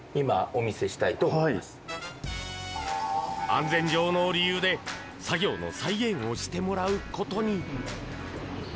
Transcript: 安全上の理由で作業の再現をしてもらうことに。